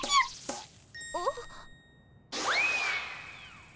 あっ。